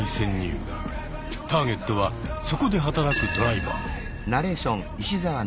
ターゲットはそこで働くドライバー。